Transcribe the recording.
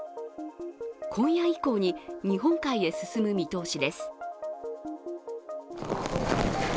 今夜以降に日本海へ進む見通しです。